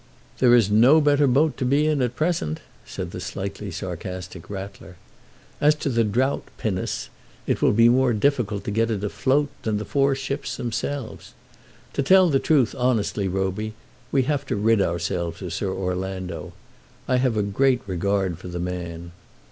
"There is no better boat to be in at present," said the slightly sarcastic Rattler. "As to the Drought pinnace, it will be more difficult to get it afloat than the four ships themselves. To tell the truth honestly, Roby, we have to rid ourselves of Sir Orlando. I have a great regard for the man."